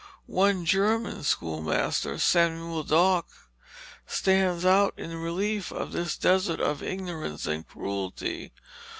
One German schoolmaster, Samuel Dock, stands out in relief in this desert of ignorance and cruelty.